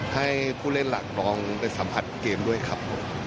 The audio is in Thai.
ให้ผู้เล่นหลักลองไปสัมผัสเกมด้วยครับผม